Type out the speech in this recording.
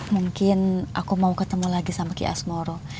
mungkin aku mau ketemu lagi sama ki asmoro